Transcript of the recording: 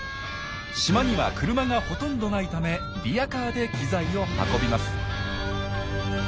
島には車がほとんどないためリヤカーで機材を運びます。